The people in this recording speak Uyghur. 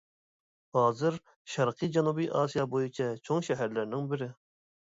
ھازىر شەرقىي جەنۇبىي ئاسىيا بويىچە چوڭ شەھەرلەرنىڭ بىرى.